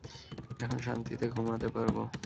এখন শান্তিতে ঘুমাতে পারবো।